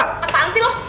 patah anggsi lo